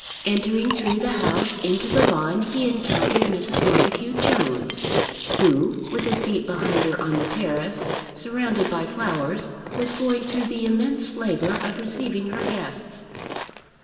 Entering through the house into the lawn he encountered Mrs. Montacute Jones, who, with a seat behind her on the terrace, surrounded by flowers, was going through the immense labour of receiving her guests.